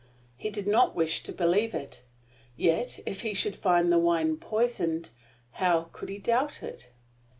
He did not wish to believe it. Yet, if he should find the wine poisoned, how could he doubt it?